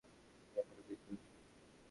আমি এখানে বিদ্রোহী।